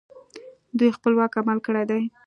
دوی خپلواک عمل کړی دی